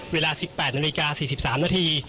เวลา๑๘นาฬิกา๔๓นาที